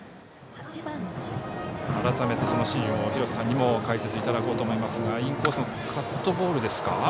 改めて、そのシーンを廣瀬さんにも解説いただこうと思いますがインコースのカットボールですか。